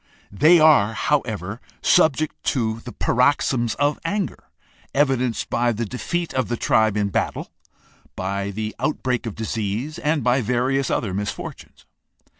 They are, however, subject to paroxysms of anger, evidenced by the defeat of the tribe in battle, by the outbreak of disease, and by various other mis fortunes.